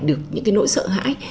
được những cái nỗi sợ hãi